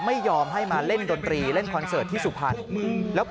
ไม่ยอมให้มาเล่นดนตรีเล่นคอนเสิร์ตที่สุพรรณ